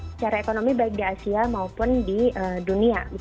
secara ekonomi baik di asia maupun di dunia